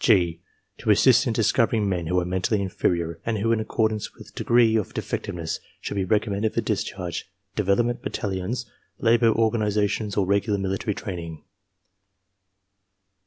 (gf) To assist in discovering men who are mentally inferior and who in accordance with degree of defectiveness should be reconamended for discharge, development battalions, labor or ganizations or regular military training.